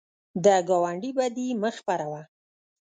د ګاونډي بدي مه خپروه